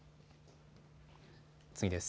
次です。